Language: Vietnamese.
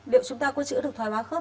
điều chúng ta có chữa được thoải hóa khớp